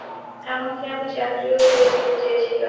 এমনকি আমি চাকরিও ছেড়ে দিতে চেয়েছিলাম।